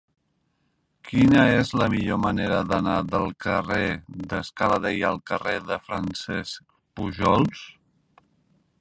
Quina és la millor manera d'anar del carrer de Scala Dei al carrer de Francesc Pujols?